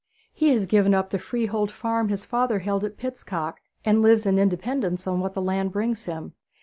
'He has given up the freehold farm his father held at Pitstock, and lives in independence on what the land brings him.